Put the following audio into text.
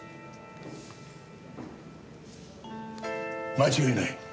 間違いない。